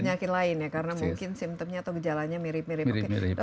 penyakit lain ya karena mungkin simptomnya atau gejalanya mirip mirip